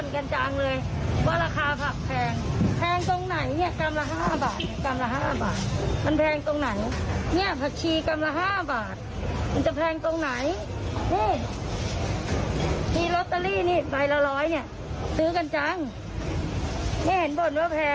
กรรมขนาดไหนห้าบาทจากเย็นน่ะเอาดูค่ะ